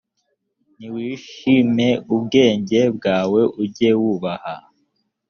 ntiwishime ubwenge bwawe ujye wubaha